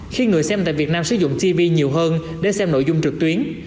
khi người xem tại việt nam sử dụng tv nhiều hơn để xem nội dung trực tuyến